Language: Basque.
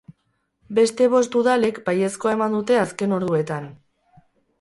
Beste bost udalek baiezkoa eman dute azken orduetan.